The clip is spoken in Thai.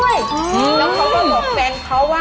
แล้วเขาก็บอกแฟนเขาว่า